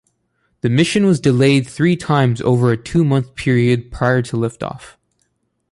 The mission was delayed three times over a two-month period prior to liftoff.